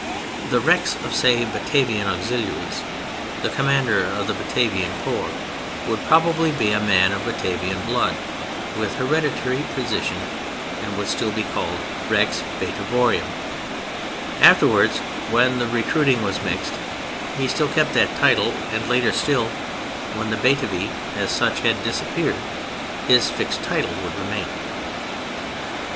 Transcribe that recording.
The "Rex" of, say, Batavian auxiliaries, the commander of the Batavian Corps, would probably be a man of Batavian blood, with hereditary position and would be called "Rex Bataviorum." Afterwards, when the recruiting was mixed, he still kept that title and later still, when the Batavii, as such, had disappeared, his fixed title would remain.